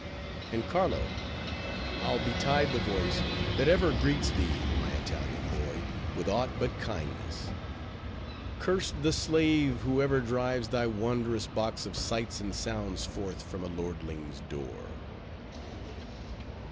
And Carlo! ill betide the voice that ever greets thee, my Italian boy, with aught but kindness; cursed the slave who ever drives thy wondrous box of sights and sounds forth from a lordling's door!